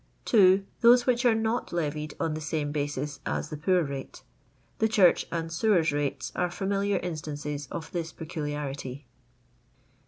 ii. Those which are not leTied on the same basis as the poor rate. The church and sewers rates are fiEuniliar instances of this peculiarity.